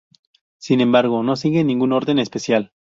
Sin embargo, no siguen ningún orden especial.